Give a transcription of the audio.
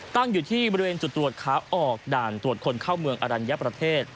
ตั้งอยู่ที่บริเวณจุดตรวจขาออกด่านตรวจคนเข้าเมืองอรัญญประเทศ